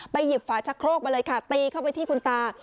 ไปหยิบฝาชักโรคไปเลยค่ะตีเข้าไปที่คุณตา